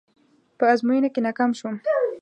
په ازموينه کې ناکام شوم.